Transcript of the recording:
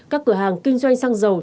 các cửa hàng kinh doanh sang giàu